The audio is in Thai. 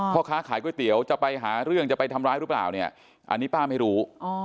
พ่อค้าขายก๋วยเตี๋ยวจะไปหาเรื่องจะไปทำร้ายหรือเปล่าเนี่ยอันนี้ป้าไม่รู้